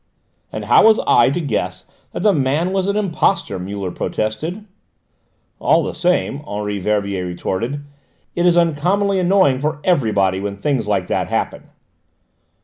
"And how was I to guess that the man was an impostor?" Muller protested. "All the same," Henri Verbier retorted, "it is uncommonly annoying for everybody when things like that happen."